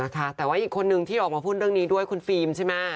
แต่ว่าอีกคนนึงที่ออกมาพูดเรื่องนี้ด้วยคุณฟิล์มใช่ไหม